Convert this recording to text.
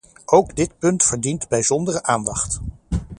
Ook dit punt verdient bijzondere aandacht.